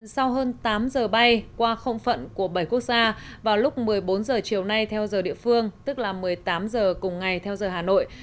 sau hơn tám giờ bay qua không phận của bảy quốc gia vào lúc một mươi bốn h chiều nay theo giờ địa phương tức là một mươi tám h cùng ngày theo giờ hà nội